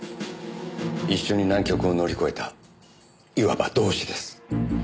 一緒に難局を乗り越えたいわば同志です。